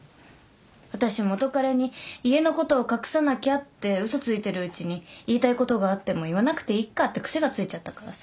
私元カレに家のことを隠さなきゃって嘘ついてるうちに言いたいことがあっても言わなくていっかって癖がついちゃったからさ。